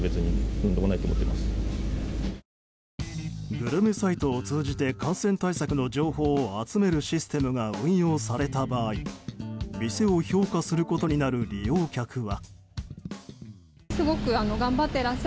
グルメサイトを通じて感染対策の情報を集めるシステムが運用された場合店を評価することになる利用客は。